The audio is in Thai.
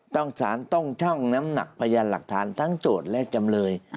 สารต้องช่องน้ำหนักพยานหลักฐานทั้งโจทย์และจำเลย